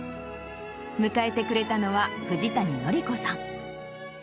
迎えてくれたのは、藤谷法子さん。